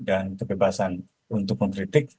kebebasan untuk mengkritik